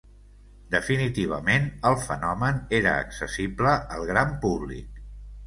Definitivament el fenomen era accessible al gran públic.